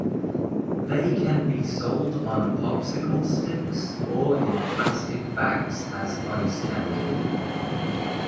They can be sold on popsicle sticks or in plastic bags as ice candy.